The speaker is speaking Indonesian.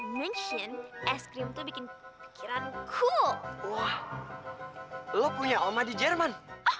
bikin pikiran cool lu punya oma di jerman